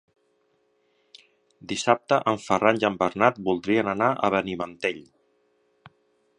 Dissabte en Ferran i en Bernat voldrien anar a Benimantell.